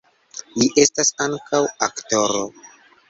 Li estas ankaŭ aktoro.